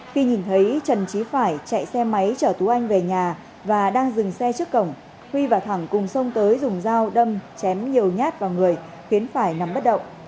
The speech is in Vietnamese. khi nhìn thấy trần trí phải chạy xe máy chở tú anh về nhà và đang dừng xe trước cổng huy và thẳng cùng xông tới dùng dao đâm chém nhiều nhát vào người khiến phải nằm bất động